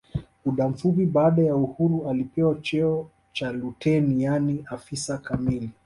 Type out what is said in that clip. Muda mfupi baada ya uhuru alipewa cheo cha luteni yaani afisa kamili